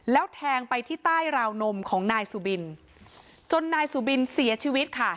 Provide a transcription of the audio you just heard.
แล้วแทงไปที่ใต้ราวนมของนายสุบินจนนายสุบินเสียชีวิตค่ะ